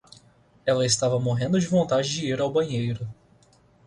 Ela estava morrendo de vontade de ir ao banheiro.